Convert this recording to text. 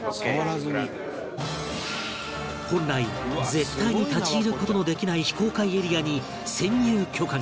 本来絶対に立ち入る事のできない非公開エリアに潜入許可が